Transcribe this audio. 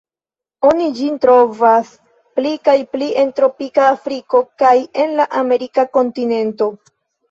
Oni ĝin trovas pli kaj pli en tropika Afriko kaj en la Amerika kontinento.